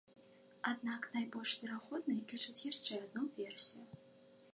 Аднак найбольш верагоднай лічаць яшчэ адну версію.